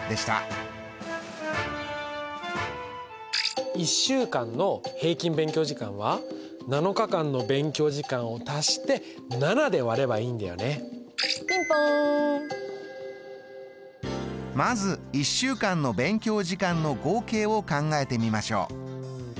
まず１週間の勉強時間の合計を考えてみましょう。